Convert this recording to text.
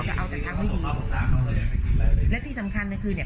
จะเอาแต่ทางไม่ดีและที่สำคัญน่ะคือเนี่ย